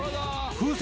風船？